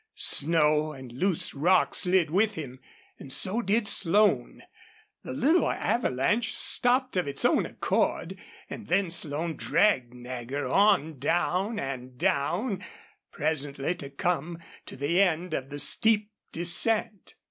Snow and loose rock slid with him, and so did Slone. The little avalanche stopped of its own accord, and then Slone dragged Nagger on down and down, presently to come to the end of the steep descent.